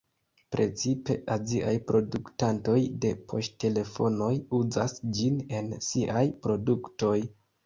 Precipe aziaj produktantoj de poŝtelefonoj uzas ĝin en siaj produktoj.